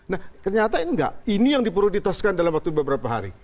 nah ternyata enggak ini yang diprioritaskan dalam waktu beberapa hari